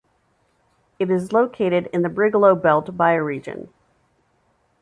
It is located in the Brigalow Belt bioregion.